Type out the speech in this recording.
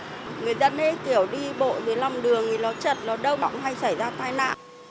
người dân hay kiểu đi bộ dưới lòng đường thì nó chật nó đau nó hay xảy ra tai nạn